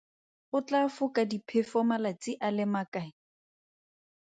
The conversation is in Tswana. Go tlaa foka diphefo malatsi a le makae?